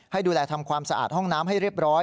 ให้ดูแลทำความสะอาดห้องน้ำให้เรียบร้อย